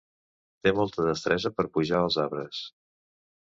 Té molta destresa per pujar als arbres.